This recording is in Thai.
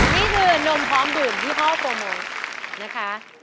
นี่คือนมพร้อมดื่มยี่ห้อโฟโมส์นะคะ